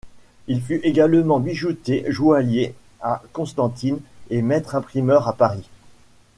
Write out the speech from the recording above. Il fut également bijoutier-joaillier à Constantine et maître-imprimeur à Paris.